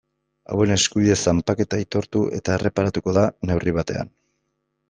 Hauen eskubide zanpaketa aitortu eta erreparatuko da neurri batean.